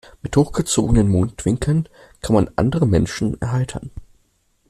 Mit hochgezogenen Mundwinkeln kann man andere Menschen erheitern.